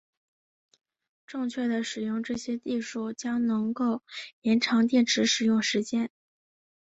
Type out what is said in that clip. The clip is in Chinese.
正确的使用这些技术将能够延长电池使用时间。